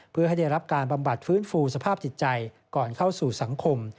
เพื่อให้ได้รับการบำบัดฟื้นฟูสภาพจิตใจก่อนเข้าสู่สังคม